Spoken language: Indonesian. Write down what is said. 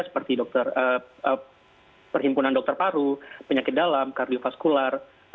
seperti perhimpunan dokter paru penyakit dalam kardiofaskular